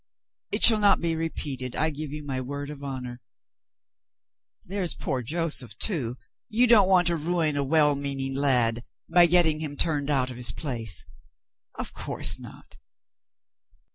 It shall not be repeated I give you my word of honor. There is poor Joseph, too. You don't want to ruin a well meaning lad, by getting him turned out of his place? Of course not!